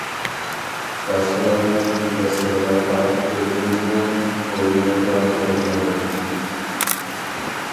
باشقىلارنىڭ ئىنكاسلىرىغا قاراپ ئۆزىمىزمۇ ئويلىنىپراق گەپ قىلايلى.